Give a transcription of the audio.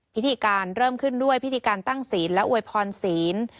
พิธีการเริ่มขึ้นด้วยพิธีการตั้งศีลและอวยพรศีล